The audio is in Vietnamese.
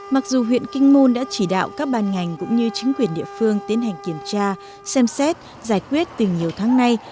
mặc dù huyện kinh môn đã chỉ đạo các ban ngành cũng như chính quyền địa phương tiến hành kiểm tra xem xét giải quyết từ nhiều tháng nay